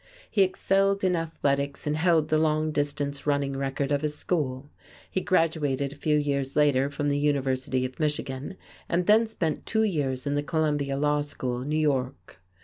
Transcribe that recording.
He excelled in athletics and held the long distance running record of his school. He graduated a few years later from the University of Michigan, and then spent two years in the Columbia Law School, New York.